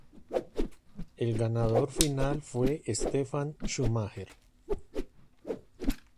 El ganador final fue Stefan Schumacher.